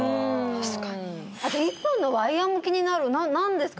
確かにあと１本のワイヤーも気になる何ですか？